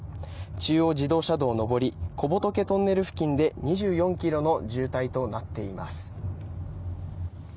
中央自動車道上り小仏トンネル付近で２４ｋｍの渋滞となっています。